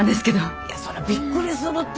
いやそらびっくりするて。